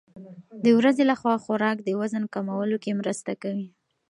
د ورځې لخوا خوراک د وزن کمولو کې مرسته کوي.